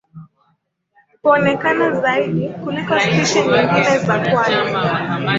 Huonekana zaidi kuliko spishi nyingine za kwale.